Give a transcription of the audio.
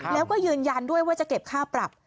แล้วก็ยืนยันด้วยว่าจะเก็บค่าปรับ